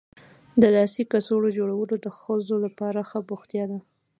د لاسي کڅوړو جوړول د ښځو لپاره ښه بوختیا ده.